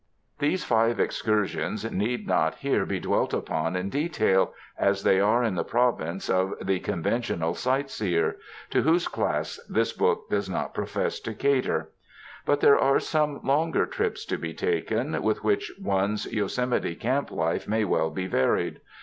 These five excursions need not here be dwelt upon in detail, as they are in the province of the conven tional sightseer — to whose class this book does not l^rofess to cater. But there are some longer trips to be taken, with which one's Yosemite camp life may well be varied.